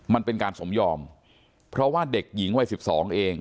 มันเป็นการสมยอมเพราะว่าเด็กหญิงวัย๑๒เอง